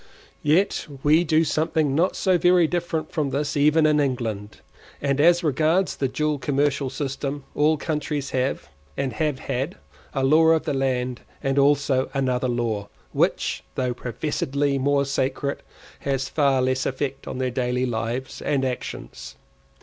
Yet we do something not so very different from this even in England, and as regards the dual commercial system, all countries have, and have had, a law of the land, and also another law, which, though professedly more sacred, has far less effect on their daily life and actions.